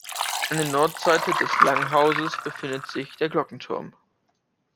An der Nordseite des Langhauses befindet sich der Glockenturm.